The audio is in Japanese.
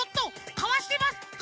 かわしてます。